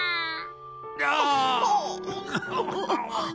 あ。